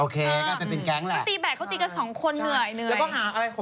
ก็ตีแบตเขาตีกับสองคนเหนื่อย